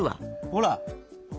ほら。